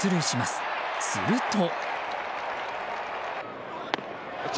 すると。